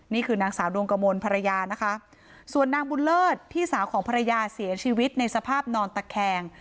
นี่คือนางสาวดวงกระมวลภรรยานะคะส่วนนางบุญเลิศพี่สาวของภรรยาเสียชีวิตในสภาพนอนตะแคง